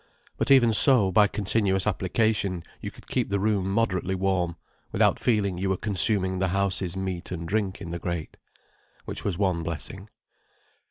But even so, by continuous application, you could keep the room moderately warm, without feeling you were consuming the house's meat and drink in the grate. Which was one blessing.